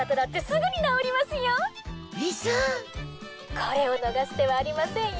これを逃す手はありませんよ